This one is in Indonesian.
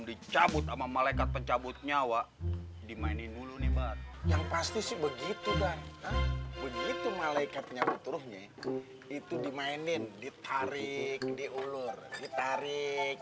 di mainin dulu nih yang pasti begitu begitu malaikatnya itu dimainin ditarik diulur ditarik